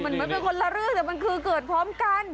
เหมือนเป็นคนละเรื่องแต่มันคือเกิดพร้อมกัน